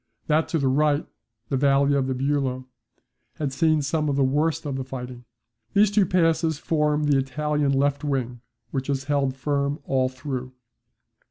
That to the right, the Valley of Buello, has seen some of the worst of the fighting. These two passes form the Italian left wing which has held firm all through.